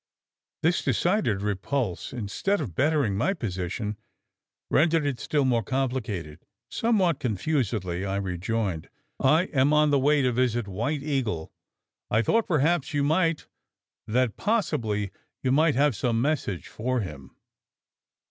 This decided repulse, instead of bettering my position, rendered it still more complicated. Somewhat confusedly, I rejoined: "I am on the way to visit the White Eagle. I thought perhaps you might that possibly you might have some message for him."